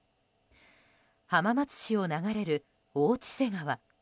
浜松市を流れる大千歳川。